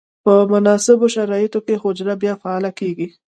په مناسبو شرایطو کې حجره بیا فعاله کیږي.